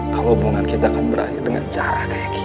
kalau hubungan kita akan berakhir dengan cara kayak kita